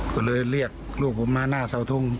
ก็เลยเรียกลูกผมมาหน้าเสาทง